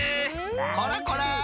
こらこら！